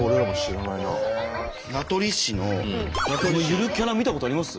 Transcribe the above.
名取市のこのゆるキャラ見たことあります？